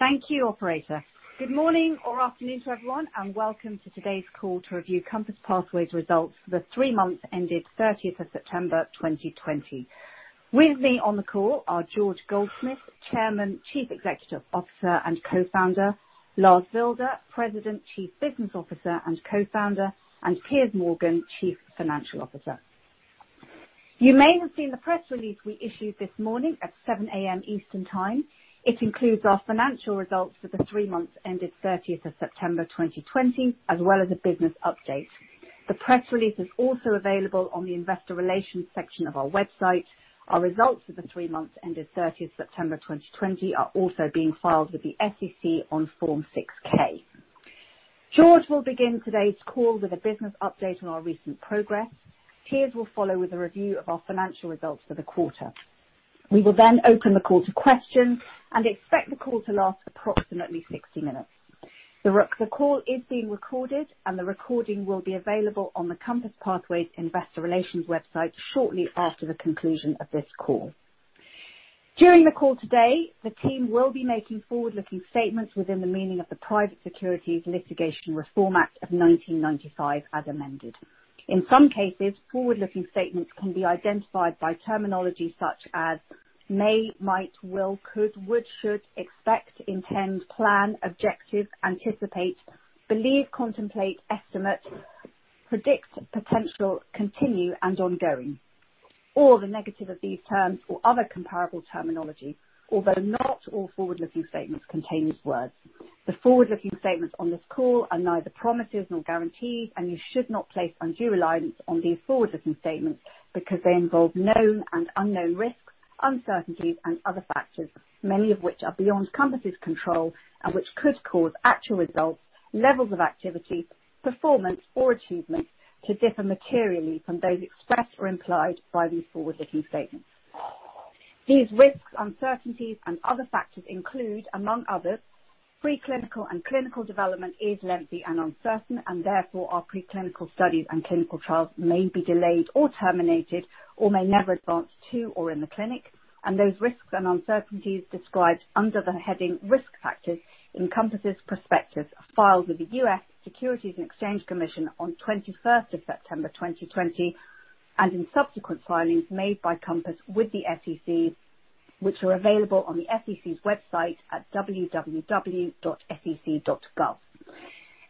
Thank you, operator. Good morning or afternoon to everyone, welcome to today's call to review COMPASS Pathways results for the three months ended 30th of September 2020. With me on the call are George Goldsmith, Chairman, Chief Executive Officer, and Co-founder, Lars Wilde, President, Chief Business Officer, and Co-founder, and Piers Morgan, Chief Financial Officer. You may have seen the press release we issued this morning at 7:00 A.M. Eastern time. It includes our financial results for the three months ended 30th of September 2020, as well as a business update. The press release is also available on the investor relations section of our website. Our results for the three months ended 30th September 2020 are also being filed with the SEC on Form 6-K. George will begin today's call with a business update on our recent progress. Piers will follow with a review of our financial results for the quarter. We will open the call to questions and expect the call to last approximately 60 minutes. The call is being recorded, and the recording will be available on the COMPASS Pathways investor relations website shortly after the conclusion of this call. During the call today, the team will be making forward-looking statements within the meaning of the Private Securities Litigation Reform Act of 1995 as amended. In some cases, forward-looking statements can be identified by terminology such as may, might, will, could, would, should, expect, intend, plan, objective, anticipate, believe, contemplate, estimate, predict, potential, continue, and ongoing, all the negative of these terms or other comparable terminology, although not all forward-looking statements contain these words. The forward-looking statements on this call are neither promises nor guarantees, and you should not place undue reliance on these forward-looking statements because they involve known and unknown risks, uncertainties, and other factors, many of which are beyond COMPASS's control and which could cause actual results, levels of activity, performance, or achievement to differ materially from those expressed or implied by these forward-looking statements. These risks, uncertainties, and other factors include, among others, preclinical and clinical development is lengthy and uncertain, therefore our preclinical studies and clinical trials may be delayed or terminated or may never advance to or in the clinic. Those risks and uncertainties described under the heading Risk Factors in COMPASS's prospectus filed with the U.S. Securities and Exchange Commission on 21st of September 2020, and in subsequent filings made by COMPASS with the SEC, which are available on the SEC's website at www.sec.gov.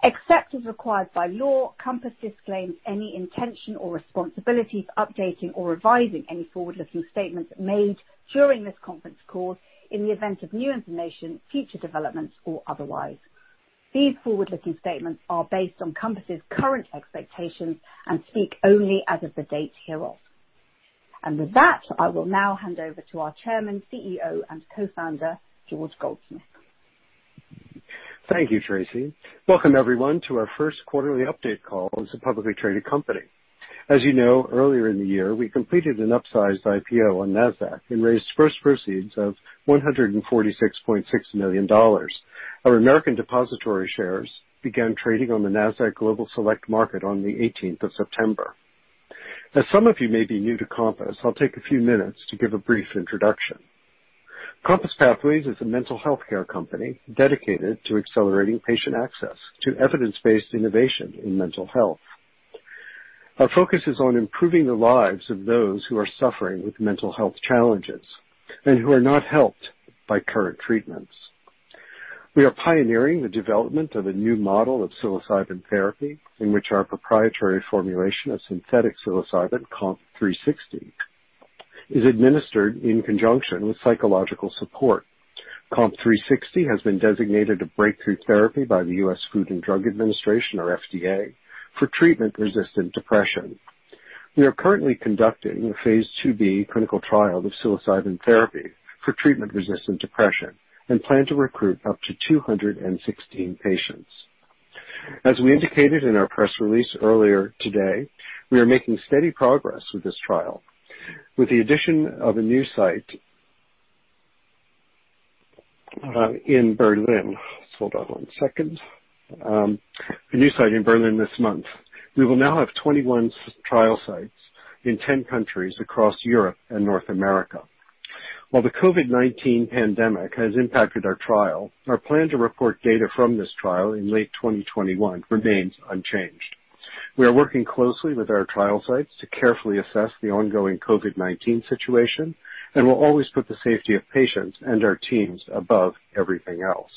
Except as required by law, COMPASS disclaims any intention or responsibility of updating or revising any forward-looking statements made during this conference call in the event of new information, future developments, or otherwise. These forward-looking statements are based on COMPASS's current expectations and speak only as of the date hereof. With that, I will now hand over to our Chairman, CEO, and Co-founder, George Goldsmith. Thank you, Tracy. Welcome, everyone, to our first quarterly update call as a publicly traded company. As you know, earlier in the year, we completed an upsized IPO on Nasdaq and raised gross proceeds of $146.6 million. Our American depository shares began trading on the Nasdaq Global Select Market on the 18th of September. As some of you may be new to Compass, I'll take a few minutes to give a brief introduction. COMPASS Pathways is a mental health care company dedicated to accelerating patient access to evidence-based innovation in mental health. Our focus is on improving the lives of those who are suffering with mental health challenges and who are not helped by current treatments. We are pioneering the development of a new model of psilocybin therapy, in which our proprietary formulation of synthetic psilocybin, COMP360, is administered in conjunction with psychological support. COMP360 has been designated a breakthrough therapy by the U.S. Food and Drug Administration, or FDA, for treatment-resistant depression. We are currently conducting a phase II-B clinical trial of psilocybin therapy for treatment-resistant depression and plan to recruit up to 216 patients. As we indicated in our press release earlier today, we are making steady progress with this trial. With the addition of a new site in Berlin this month, we will now have 21 trial sites in 10 countries across Europe and North America. While the COVID-19 pandemic has impacted our trial, our plan to report data from this trial in late 2021 remains unchanged. We are working closely with our trial sites to carefully assess the ongoing COVID-19 situation and will always put the safety of patients and our teams above everything else.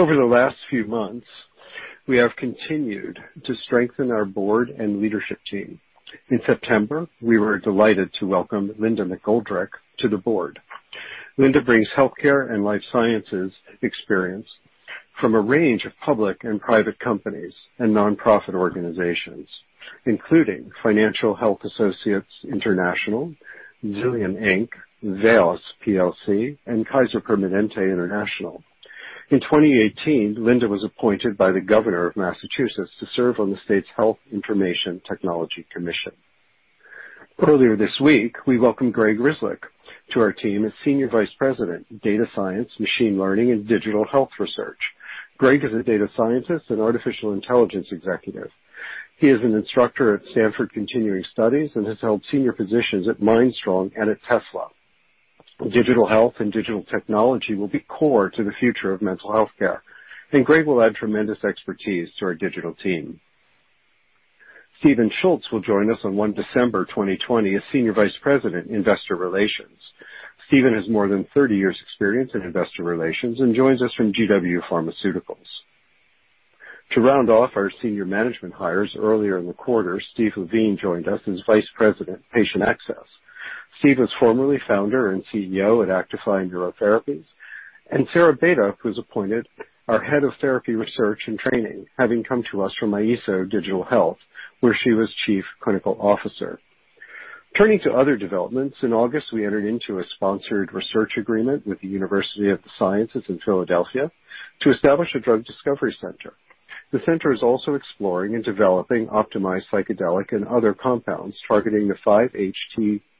Over the last few months, we have continued to strengthen our board and leadership team. In September, we were delighted to welcome Linda McGoldrick to the board. Linda brings healthcare and life sciences experience from a range of public and private companies and nonprofit organizations, including Financial Health Associates International, Zillion Inc, Veos PLC, and Kaiser Permanente International. In 2018, Linda was appointed by the governor of Massachusetts to serve on the state's Health Information Technology Commission. Earlier this week, we welcomed Greg Ryslik to our team as Senior Vice President, Data Science, Machine Learning, and Digital Health Research. Greg is a data scientist and artificial intelligence executive. He is an instructor at Stanford Continuing Studies and has held senior positions at Mindstrong and at Tesla. Digital health and digital technology will be core to the future of mental healthcare, and Greg will add tremendous expertise to our digital team. Stephen Schultz will join us on 1 December 2020 as Senior Vice President, Investor Relations. Stephen has more than 30 years' experience in investor relations and joins us from GW Pharmaceuticals. To round off our senior management hires earlier in the quarter, Steve Levine joined us as Vice President, Patient Access. Steve was formerly founder and CEO at Actify Neurotherapies, and Sarah Beteup, who's appointed our Head of Therapy Research and Training, having come to us from Iaso Digital Health, where she was Chief Clinical Officer. Turning to other developments, in August, we entered into a sponsored research agreement with the University of the Sciences in Philadelphia to establish a drug discovery center. The center is also exploring and developing optimized psychedelic and other compounds targeting the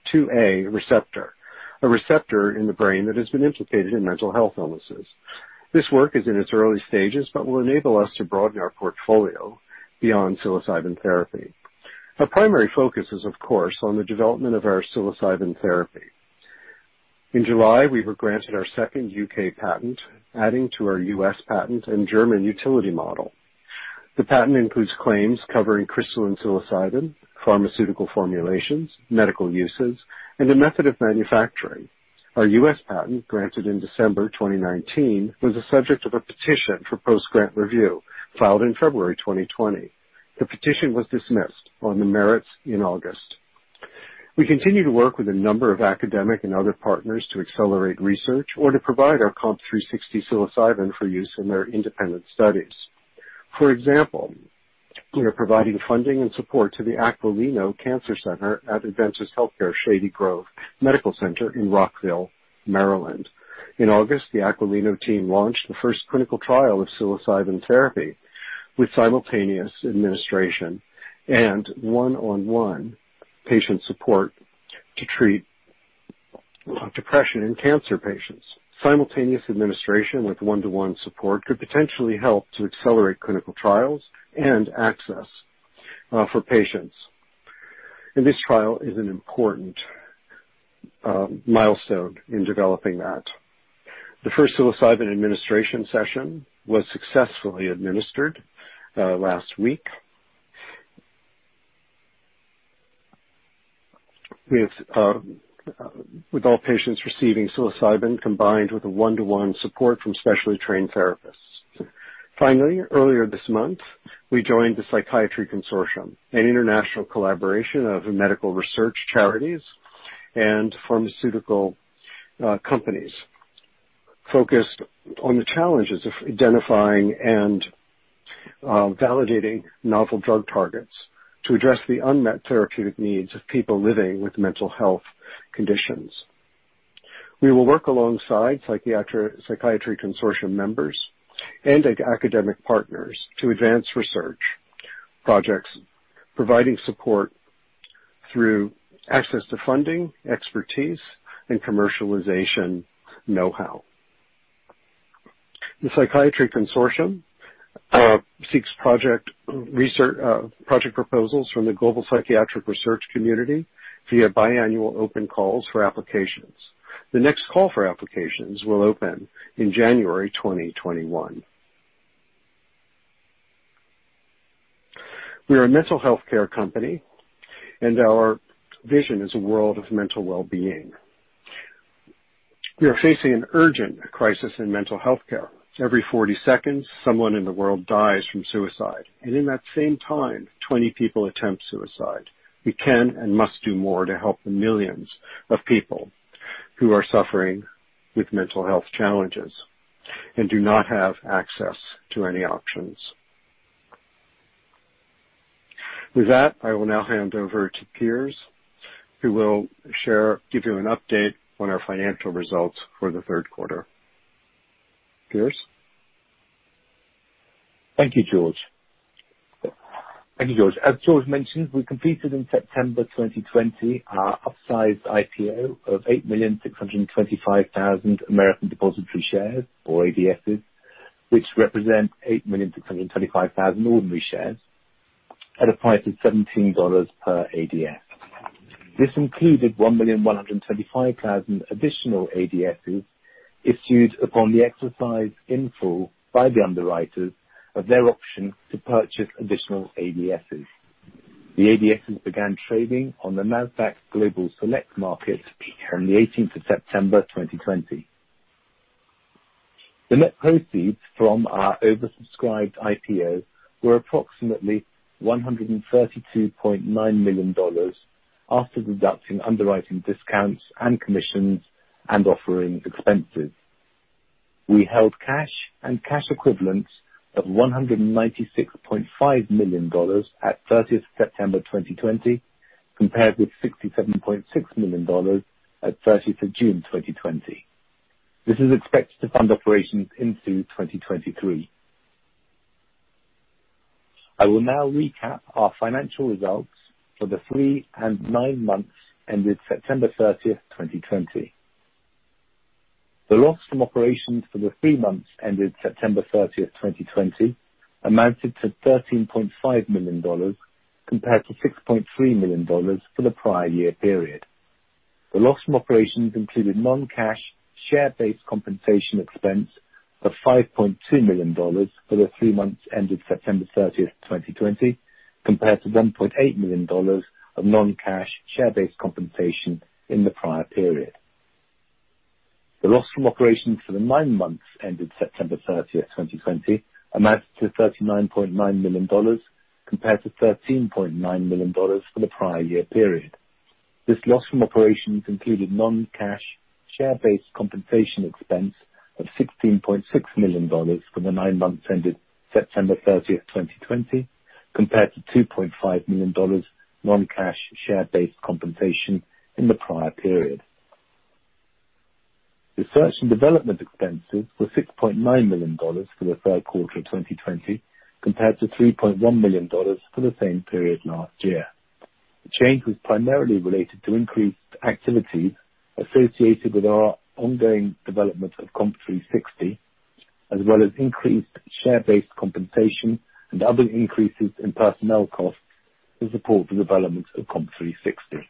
5-HT2A receptor, a receptor in the brain that has been implicated in mental health illnesses. This work is in its early stages but will enable us to broaden our portfolio beyond psilocybin therapy. Our primary focus is, of course, on the development of our psilocybin therapy. In July, we were granted our second U.K. patent, adding to our U.S. patent and German utility model. The patent includes claims covering crystalline psilocybin, pharmaceutical formulations, medical uses, and a method of manufacturing. Our U.S. patent, granted in December 2019, was the subject of a petition for post-grant review filed in February 2020. The petition was dismissed on the merits in August. We continue to work with a number of academic and other partners to accelerate research or to provide our COMP360 psilocybin for use in their independent studies. For example, we are providing funding and support to the Aquilino Cancer Center at Adventist HealthCare Shady Grove Medical Center in Rockville, Maryland. In August, the Aquilino team launched the first clinical trial of psilocybin therapy with simultaneous administration and one-on-one patient support to treat depression in cancer patients. Simultaneous administration with one-to-one support could potentially help to accelerate clinical trials and access for patients, and this trial is an important milestone in developing that. The first psilocybin administration session was successfully administered last week, with all patients receiving psilocybin combined with a one-to-one support from specially trained therapists. Finally, earlier this month, we joined the Psychiatry Consortium, an international collaboration of medical research charities and pharmaceutical companies focused on the challenges of identifying and validating novel drug targets to address the unmet therapeutic needs of people living with mental health conditions. We will work alongside Psychiatry Consortium members and academic partners to advance research projects providing support through access to funding, expertise, and commercialization know-how. The Psychiatry Consortium seeks project proposals from the global psychiatric research community via biannual open calls for applications. The next call for applications will open in January 2021. We are a mental health care company, and our vision is a world of mental well-being. We are facing an urgent crisis in mental health care. Every 40 seconds, someone in the world dies from suicide, and in that same time, 20 people attempt suicide. We can and must do more to help the millions of people who are suffering with mental health challenges and do not have access to any options. With that, I will now hand over to Piers, who will give you an update on our financial results for the third quarter. Piers? Thank you, George. As George mentioned, we completed in September 2020 our upsized IPO of 8,625,000 American depository shares, or ADSs, which represent 8,625,000 ordinary shares at a price of $17 per ADS. This included 1,125,000 additional ADSs issued upon the exercise in full by the underwriters of their option to purchase additional ADSs. The ADSs began trading on the Nasdaq Global Select Market on the 18th of September 2020. The net proceeds from our oversubscribed IPO were approximately $132.9 million after deducting underwriting discounts and commissions and offering expenses. We held cash and cash equivalents of $196.5 million at 30th September 2020, compared with $67.6 million at 30th of June 2020. This is expected to fund operations into 2023. I will now recap our financial results for the three and nine months ended September 30th, 2020. The loss from operations for the three months ended September 30th, 2020 amounted to GBP 13.5 million compared to GBP 6.3 million for the prior year period. The loss from operations included non-cash, share-based compensation expense of GBP 5.2 million for the three months ended September 30th, 2020, compared to GBP 1.8 million of non-cash share-based compensation in the prior period. The loss from operations for the nine months ended September 30th, 2020, amounted to $39.9 million, compared to $13.9 million for the prior year period. This loss from operations included non-cash, share-based compensation expense of $16.6 million for the nine months ended September 30th, 2020, compared to $2.5 million non-cash share-based compensation in the prior period. The research and development expenses were $6.9 million for the third quarter of 2020, compared to $3.1 million for the same period last year. The change was primarily related to increased activity associated with our ongoing development of COMP360, as well as increased share-based compensation and other increases in personnel costs to support the development of COMP360.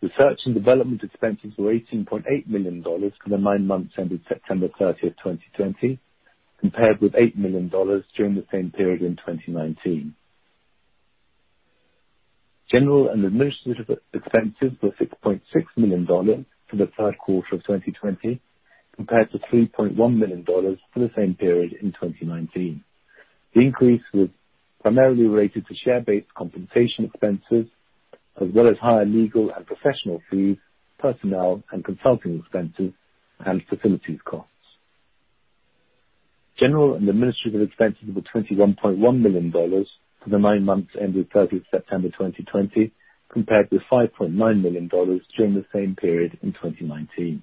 The research and development expenses were $18.8 million for the nine months ended September 30th, 2020, compared with $8 million during the same period in 2019. General and administrative expenses were $6.6 million for the third quarter of 2020, compared to $3.1 million for the same period in 2019. The increase was primarily related to share-based compensation expenses, as well as higher legal and professional fees, personnel and consulting expenses, and facilities costs. General and administrative expenses were $21.1 million for the nine months ended 30th September 2020, compared with $5.9 million during the same period in 2019.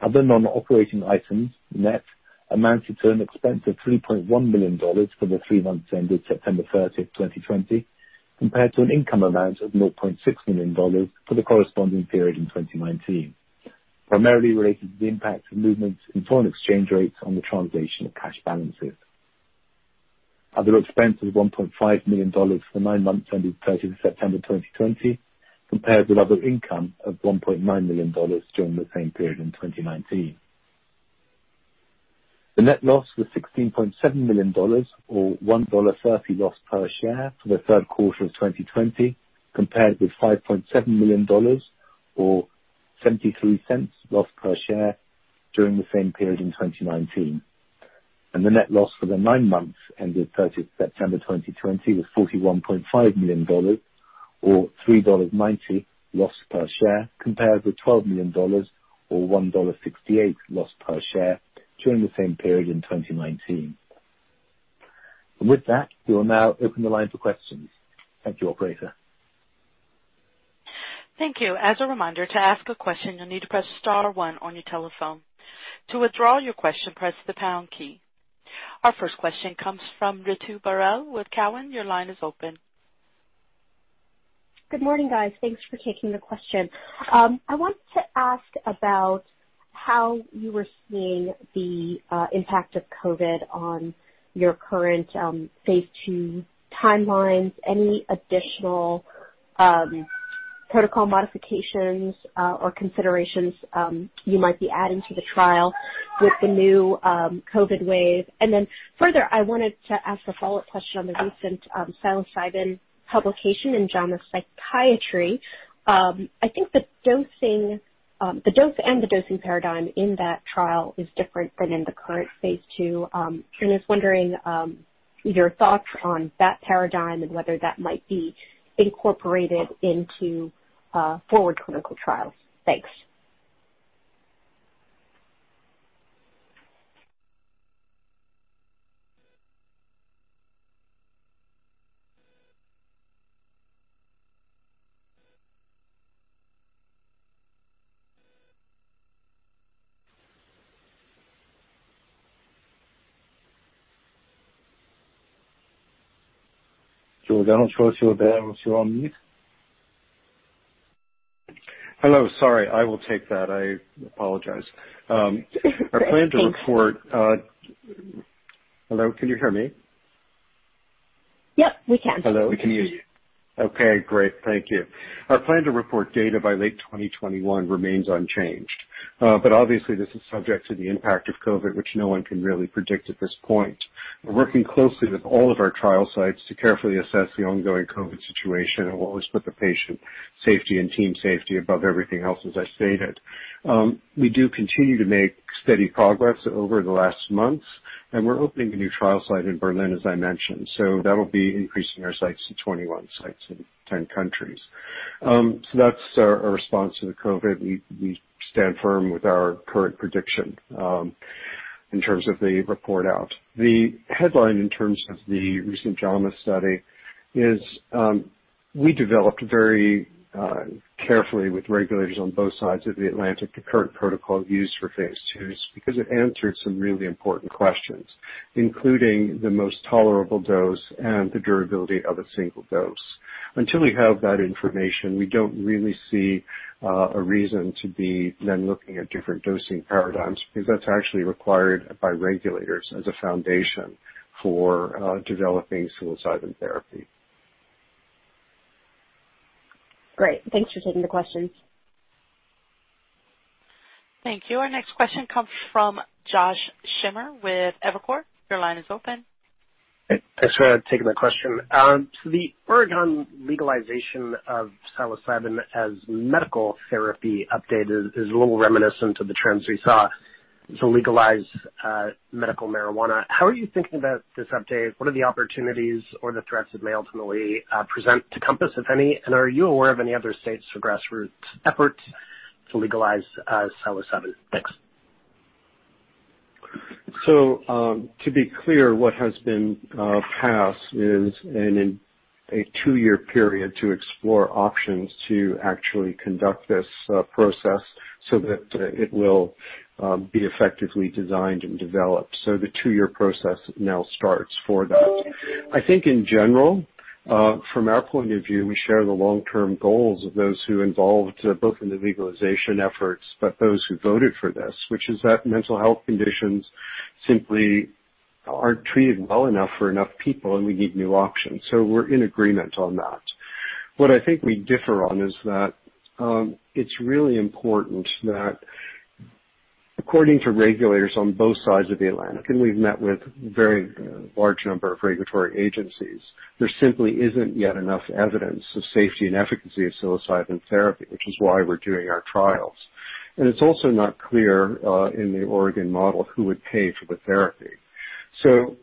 Other non-operating items net amounted to an expense of $3.1 million for the three months ended September 30th, 2020, compared to an income amount of $0.6 million for the corresponding period in 2019. Primarily related to the impact of movements in foreign exchange rates on the translation of cash balances. Other expenses, $1.5 million for the nine months ended 30th September 2020, compared with other income of GBP 1.9 million during the same period in 2019. The net loss was $16.7 million, or $1.30 loss per share, for the third quarter of 2020, compared with $5.7 million or 0.73 loss per share during the same period in 2019. The net loss for the nine months ended 30th September 2020 was $41.5 million or $3.90 loss per share, compared with $ 12 million or $1.68 loss per share during the same period in 2019. With that, we will now open the line for questions. Thank you, operator. Thank you. As a reminder, to ask a question, you'll need to press star one on your telephone. To withdraw your question, press the pound key. Our first question comes from Ritu Baral with Cowen. Your line is open. Good morning, guys. Thanks for taking the question. I wanted to ask about how you were seeing the impact of COVID on your current phase II timelines. Any additional protocol modifications or considerations you might be adding to the trial with the new COVID wave? Further, I wanted to ask a follow-up question on the recent psilocybin publication in JAMA Psychiatry. I think the dose and the dosing paradigm in that trial is different than in the current phase II. Just wondering your thoughts on that paradigm and whether that might be incorporated into forward clinical trials. Thanks. George, I don't suppose you're there. I'm sure you're on mute. Hello. Sorry. I will take that. I apologize. Thanks. Hello, can you hear me? Yep, we can. Hello. We can hear you. Okay, great. Thank you. Our plan to report data by late 2021 remains unchanged. Obviously this is subject to the impact of COVID, which no one can really predict at this point. We're working closely with all of our trial sites to carefully assess the ongoing COVID situation, and we'll always put the patient safety and team safety above everything else, as I stated. We do continue to make steady progress over the last months, and we're opening a new trial site in Berlin, as I mentioned. That'll be increasing our sites to 21 sites in 10 countries. That's our response to the COVID. We stand firm with our current prediction in terms of the report out. The headline in terms of the recent JAMA study is. We developed very carefully with regulators on both sides of the Atlantic, the current protocol used for phase IIs because it answered some really important questions, including the most tolerable dose and the durability of a single dose. Until we have that information, we don't really see a reason to be then looking at different dosing paradigms because that's actually required by regulators as a foundation for developing psilocybin therapy. Great. Thanks for taking the questions. Thank you. Our next question comes from Josh Schimmer with Evercore. Your line is open. Thanks for taking my question. The Oregon legalization of psilocybin as medical therapy updated is a little reminiscent of the trends we saw to legalize medical marijuana. How are you thinking about this update? What are the opportunities or the threats it may ultimately present to COMPASS, if any? Are you aware of any other states or grassroots efforts to legalize psilocybin? Thanks. To be clear, what has been passed is in a two-year period to explore options to actually conduct this process so that it will be effectively designed and developed. The two-year process now starts for that. I think in general, from our point of view, we share the long-term goals of those who involved both in the legalization efforts, but those who voted for this, which is that mental health conditions simply aren't treated well enough for enough people, and we need new options. We're in agreement on that. What I think we differ on is that it's really important that according to regulators on both sides of the Atlantic, and we've met with very large number of regulatory agencies, there simply isn't yet enough evidence of safety and efficacy of psilocybin therapy, which is why we're doing our trials. It's also not clear in the Oregon model who would pay for the therapy.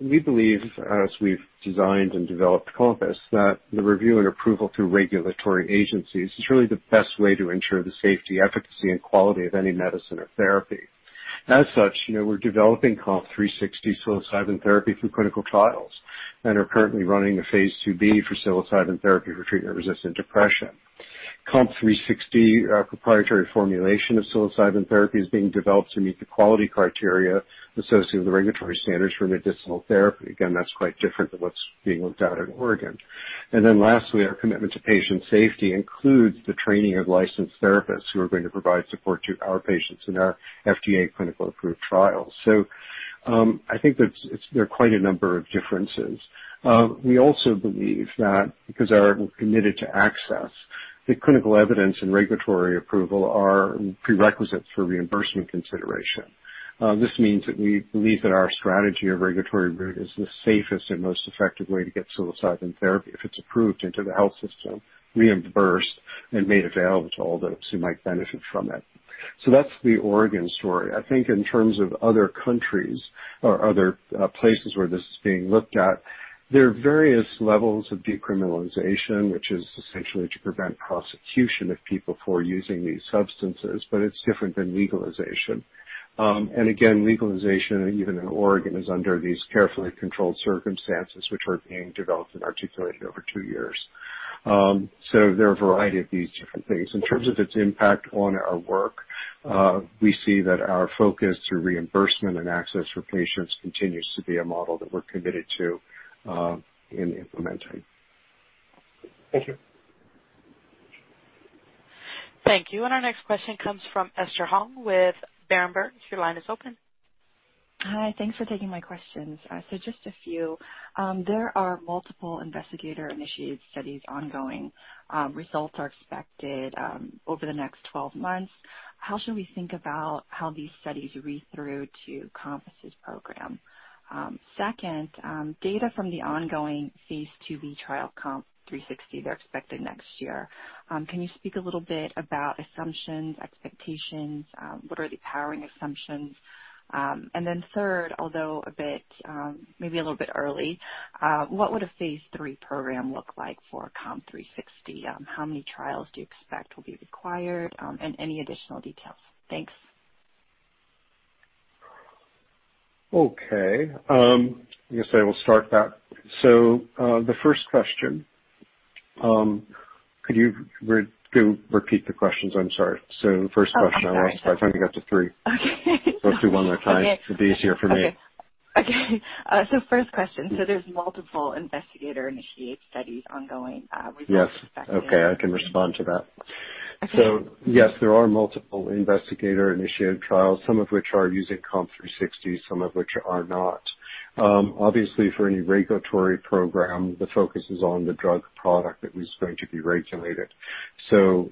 We believe, as we've designed and developed COMPASS, that the review and approval through regulatory agencies is really the best way to ensure the safety, efficacy, and quality of any medicine or therapy. As such, we're developing COMP360 psilocybin therapy through clinical trials and are currently running a phase II-B for psilocybin therapy for treatment-resistant depression. COMP360, our proprietary formulation of psilocybin therapy, is being developed to meet the quality criteria associated with the regulatory standards for medicinal therapy. That's quite different than what's being looked at in Oregon. Lastly, our commitment to patient safety includes the training of licensed therapists who are going to provide support to our patients in our FDA clinical approved trials. I think there are quite a number of differences. We also believe that because we are committed to access, the clinical evidence and regulatory approval are prerequisites for reimbursement consideration. This means that we believe that our strategy of regulatory route is the safest and most effective way to get psilocybin therapy, if it's approved into the health system, reimbursed and made available to all those who might benefit from it. That's the Oregon story. I think in terms of other countries or other places where this is being looked at, there are various levels of decriminalization, which is essentially to prevent prosecution of people for using these substances, but it's different than legalization. Again, legalization, even in Oregon, is under these carefully controlled circumstances, which are being developed and articulated over two years. There are a variety of these different things. In terms of its impact on our work, we see that our focus through reimbursement and access for patients continues to be a model that we're committed to in implementing. Thank you. Thank you. Our next question comes from Esther Hong with Berenberg. Your line is open. Hi. Thanks for taking my questions. Just a few. There are multiple investigator-initiated studies ongoing. Results are expected over the next 12 months. How should we think about how these studies read through to COMPASS' program? Second, data from the ongoing phase II-B trial COMP360, they're expected next year. Can you speak a little bit about assumptions, expectations? What are the powering assumptions? Then third, although maybe a little bit early, what would a phase III program look like for COMP360? How many trials do you expect will be required? Any additional details. Thanks. Okay. I guess I will start that. The first question, could you repeat the questions? I'm sorry. The first question, I want to start trying to get to three. Okay. Let's do one more time. It'll be easier for me. Okay. First question. There's multiple investigator-initiated studies ongoing. Yes. Okay. I can respond to that. Okay. Yes, there are multiple investigator-initiated trials. Some of which are using COMP360, some of which are not. Obviously for any regulatory program, the focus is on the drug product that is going to be regulated.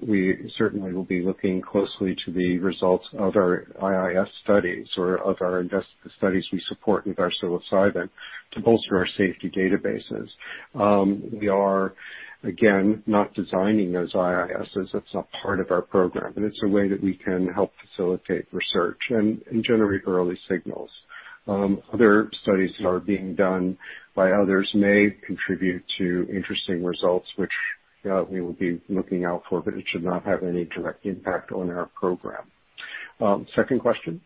We certainly will be looking closely to the results of our IIS studies or of our invest studies we support with our psilocybin to bolster our safety databases. We are, again, not designing those IISs. That's not part of our program, but it's a way that we can help facilitate research and generate early signals. Other studies that are being done by others may contribute to interesting results, which we will be looking out for, but it should not have any direct impact on our program. Second question.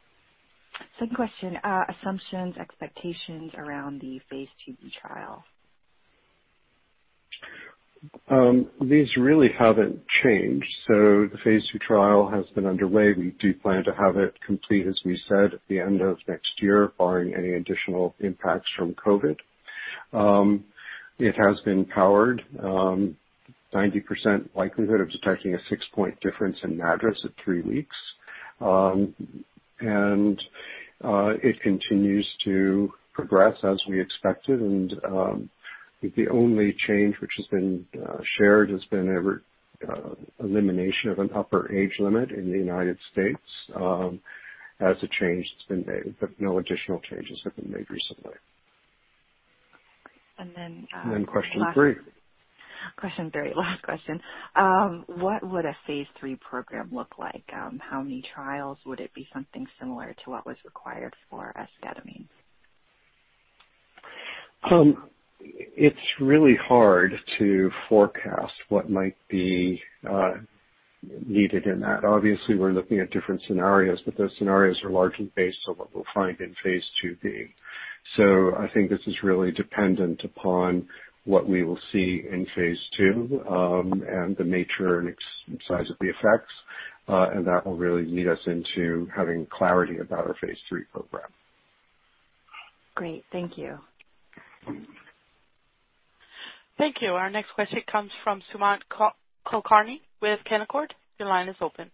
Second question, assumptions, expectations around the phase II-B trial. These really haven't changed. The phase II trial has been underway. We do plan to have it complete, as we said, at the end of next year, barring any additional impacts from COVID. It has been powered. 90% likelihood of detecting a six-point difference in MADRS at three weeks. It continues to progress as we expected. I think the only change which has been shared has been elimination of an upper age limit in the U.S. as a change that's been made, but no additional changes have been made recently. And then- Question three. Question three, last question. What would a phase III program look like? How many trials? Would it be something similar to what was required for esketamine? It's really hard to forecast what might be needed in that. Obviously, we're looking at different scenarios, but those scenarios are largely based on what we'll find in phase II-B. I think this is really dependent upon what we will see in phase II and the nature and size of the effects. That will really lead us into having clarity about our phase III program. Great. Thank you. Thank you. Our next question comes from Sumant Kulkarni with Canaccord. Your line is open.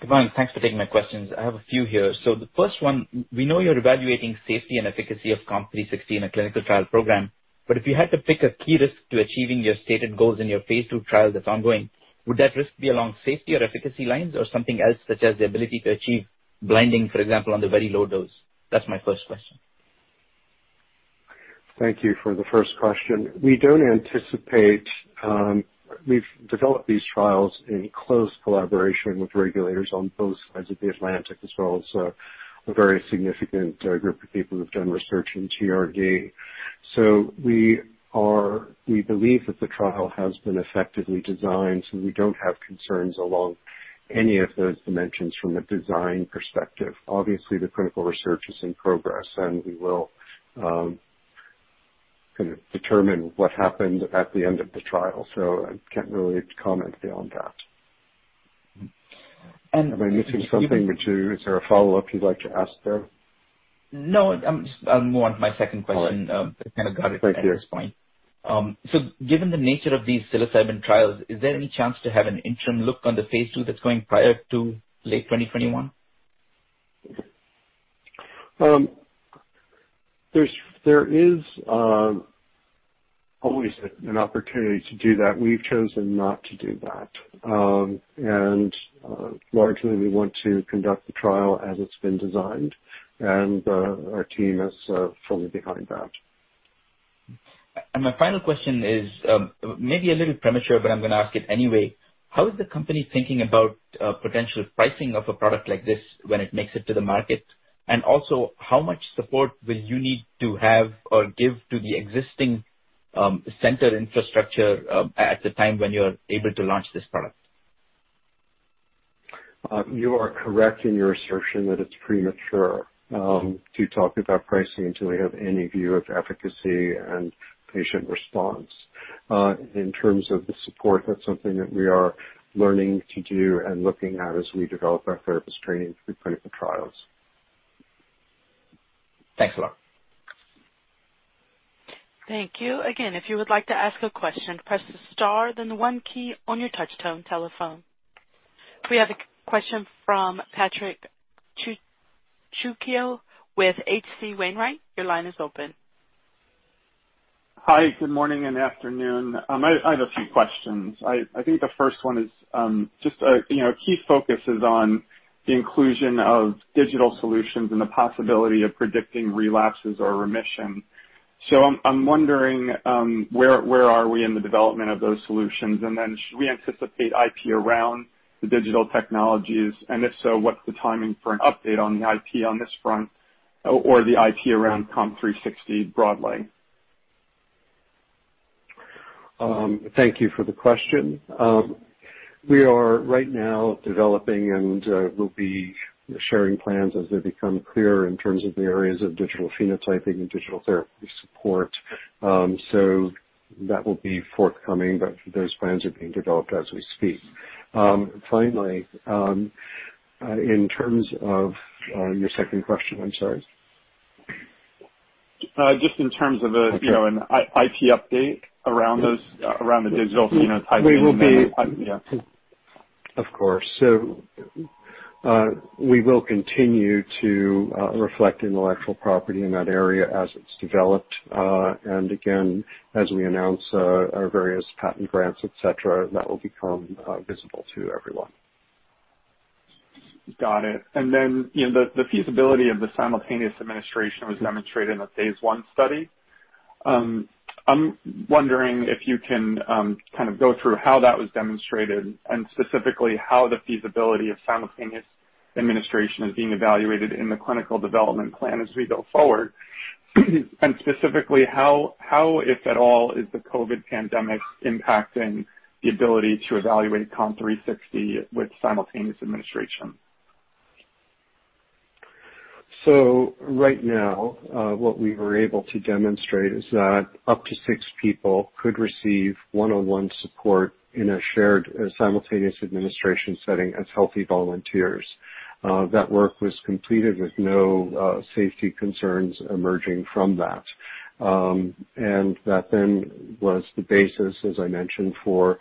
Kevan, thanks for taking my questions. I have a few here. The first one, we know you're evaluating safety and efficacy of COMP360 in a clinical trial program, but if you had to pick a key risk to achieving your stated goals in your phase II trial that's ongoing, would that risk be along safety or efficacy lines or something else, such as the ability to achieve blinding, for example, on the very low dose? That's my first question. Thank you for the first question. We've developed these trials in close collaboration with regulators on both sides of the Atlantic as well as a very significant group of people who've done research in TRD. We believe that the trial has been effectively designed, so we don't have concerns along any of those dimensions from a design perspective. Obviously, the clinical research is in progress, we will determine what happened at the end of the trial, I can't really comment beyond that. Am I missing something? Is there a follow-up you'd like to ask there? No. I'll move on to my second question. All right. I kind of got it at this point. Thank you. Given the nature of these psilocybin trials, is there any chance to have an interim look on the phase II that's going prior to late 2021? There is always an opportunity to do that. We've chosen not to do that. Largely, we want to conduct the trial as it's been designed, and our team is firmly behind that. My final question is maybe a little premature, but I'm going to ask it anyway. How is the company thinking about potential pricing of a product like this when it makes it to the market? Also, how much support will you need to have or give to the existing center infrastructure at the time when you're able to launch this product? You are correct in your assertion that it's premature to talk about pricing until we have any view of efficacy and patient response. In terms of the support, that's something that we are learning to do and looking at as we develop our therapist training through clinical trials. Thanks a lot. Thank you. Again, if you would like to ask a question, press the star, then the one key on your touch tone telephone. We have a question from Patrick Trucchio with HC Wainwright. Your line is open. Hi, good morning and afternoon. I have a few questions. I think the first one is just key focuses on the inclusion of digital solutions and the possibility of predicting relapses or remission. I'm wondering where are we in the development of those solutions, and then should we anticipate IP around the digital technologies, and if so, what's the timing for an update on the IP on this front or the IP around COMP360 broadly? Thank you for the question. We are right now developing and will be sharing plans as they become clearer in terms of the areas of digital phenotyping and digital therapy support. That will be forthcoming, but those plans are being developed as we speak. Finally, in terms of your second question, I am sorry. Just in terms of an IP update around the digital phenotyping. We will be- Yeah. Of course. We will continue to reflect intellectual property in that area as it's developed. Again, as we announce our various patent grants, et cetera, that will become visible to everyone. Got it. Then the feasibility of the simultaneous administration was demonstrated in the phase I study. I'm wondering if you can go through how that was demonstrated and specifically how the feasibility of simultaneous administration is being evaluated in the clinical development plan as we go forward. Specifically, how, if at all, is the COVID pandemic impacting the ability to evaluate COMP360 with simultaneous administration? Right now, what we were able to demonstrate is that up to six people could receive one-on-one support in a shared simultaneous administration setting as healthy volunteers. That work was completed with no safety concerns emerging from that. That was the basis, as I mentioned, for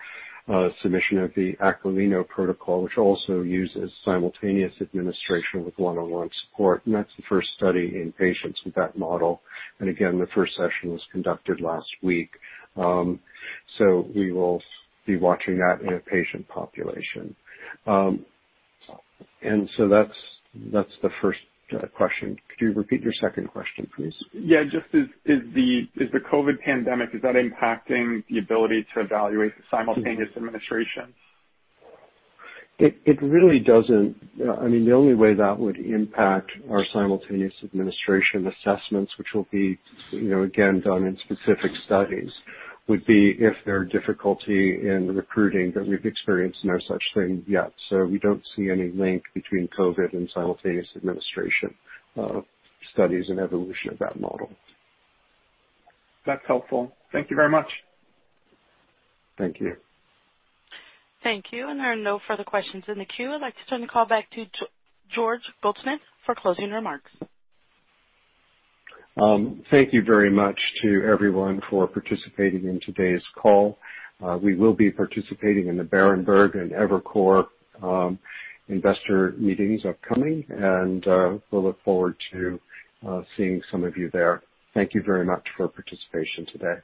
submission of the Aquilino protocol, which also uses simultaneous administration with one-on-one support. That's the first study in patients with that model. Again, the first session was conducted last week. We will be watching that in a patient population. That's the first question. Could you repeat your second question, please? Yeah. Just is the COVID pandemic, is that impacting the ability to evaluate the simultaneous administrations? It really doesn't. The only way that would impact our simultaneous administration assessments, which will be, again, done in specific studies, would be if there are difficulty in recruiting, but we've experienced no such thing yet. We don't see any link between COVID and simultaneous administration studies and evolution of that model. That's helpful. Thank you very much. Thank you. Thank you. There are no further questions in the queue. I'd like to turn the call back to George Goldsmith for closing remarks. Thank you very much to everyone for participating in today's call. We will be participating in the Berenberg and Evercore investor meetings upcoming, and we'll look forward to seeing some of you there. Thank you very much for participation today.